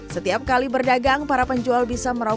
setiap kali berdagang para penjual bisa memperbaiki